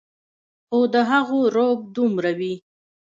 خو د هغو رعب دومره وي